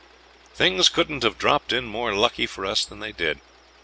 Things couldn't have dropped in more lucky for us than they did.